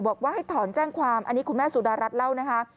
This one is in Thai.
บอกว่าให้ถอนแจ้งความอันนี้คุณแม่สุดารัฐเล่านะคะ